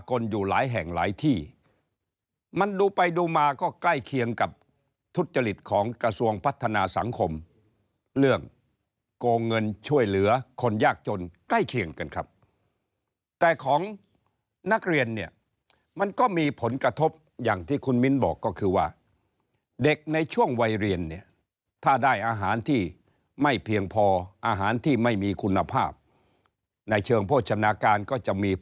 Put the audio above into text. อยู่หลายแห่งหลายที่มันดูไปดูมาก็ใกล้เคียงกับทุจริตของกระทรวงพัฒนาสังคมเรื่องโกงเงินช่วยเหลือคนยากจนใกล้เคียงกันครับแต่ของนักเรียนเนี่ยมันก็มีผลกระทบอย่างที่คุณมิ้นบอกก็คือว่าเด็กในช่วงวัยเรียนเนี่ยถ้าได้อาหารที่ไม่เพียงพออาหารที่ไม่มีคุณภาพในเชิงโภชนาการก็จะมี